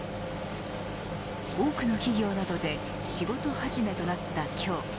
多くの企業などで仕事始めとなった今日。